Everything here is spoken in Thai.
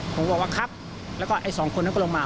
ผมก็บอกว่าครับแล้วก็ไอ้สองคนนั้นก็ลงมา